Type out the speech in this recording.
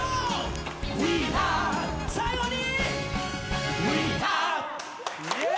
最後にー！